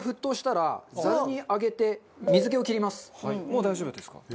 もう大丈夫ですか？